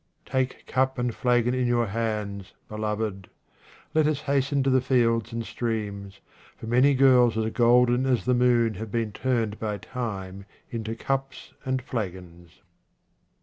Take cup and flagon in your hands, beloved. Let us hasten to the fields and streams, for many girls as golden as the moon have been turned by time into cups and flagons.